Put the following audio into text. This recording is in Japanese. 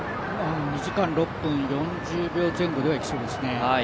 ２時間６分４０秒前後ではいきそうですね。